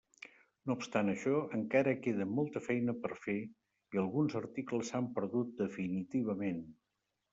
No obstant això, encara queda molta feina per fer, i alguns articles s'han perdut definitivament.